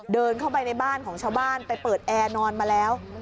เดินเข้าไปในบ้านของชาวบ้านไปเปิดแอร์นอนมาแล้ว